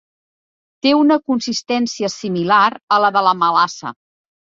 Té una consistència similar a la de la melassa.